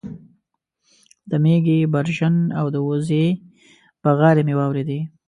د مېږې برژن او د وزې بغارې مې واورېدې